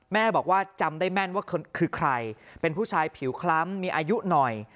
แม่บอกว่าจำได้แม่นว่าคือใครเป็นผู้ชายผิวคล้ำมีอายุหน่อย